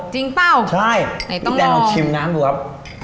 จริงเปล่าไหนต้องลองใช่พี่แดนออกชิมน้ำดูครับ